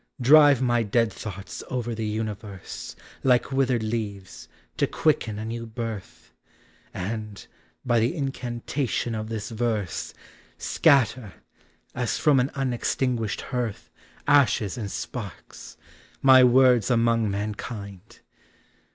Drive my dead thoughts over the universe Like withered leaves, to quicken a new birth; And, by the incantation of this verse, Scatter, as from an unextinguished hearth Ashes and sparks, my words among mankind!